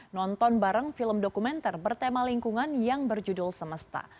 nonton bareng film dokumenter bertema lingkungan yang berjudul semesta